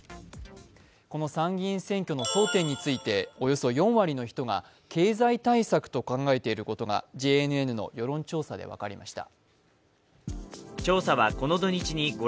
この参議院選挙の争点についておよそ４割の人が経済対策と考えていることが、ＪＮＮの世論調査で分かりました。